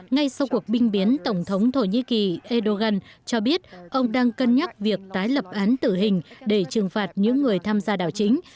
ngay sau cuộc binh biến tổng thống thổ nhĩ kỳ erdogan cho biết ông đang cân nhắc việc tái lập án tử hình để trừng phạt những người tham gia đảo chính